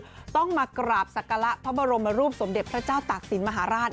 ต้องมากราบศักระพระบรมรูปสมเด็จพระเจ้าตากศิลปมหาราช